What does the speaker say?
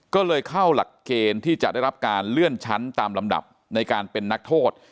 ก็เลยเข้าหลักเกณฑ์ที่จะได้รับการเลื่อนชั้นตามลำดับในการเป็นนักโทษ